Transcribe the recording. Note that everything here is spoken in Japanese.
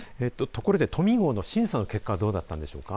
ところでトミー号の審査の結果はどうだったんでしょうか。